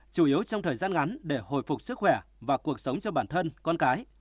chủ yếu trong thời gian ngắn để hồi phục sức khỏe và cuộc sống cho bản thân con cái